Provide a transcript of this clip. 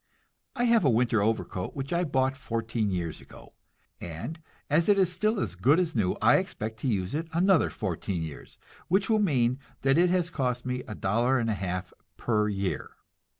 I have a winter overcoat which I bought fourteen years ago, and as it is still as good as new I expect to use it another fourteen years, which will mean that it has cost me a dollar and a half per year.